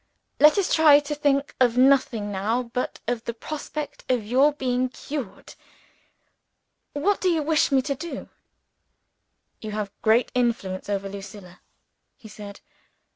Let us try to think of nothing now but of the prospect of your being cured. What do you wish me to do?" "You have great influence over Lucilla," he said.